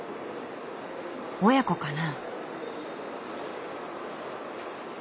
親子かな？